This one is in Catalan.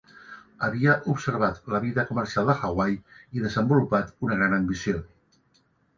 Havia observat la vida comercial de Hawaii i desenvolupat una gran ambició.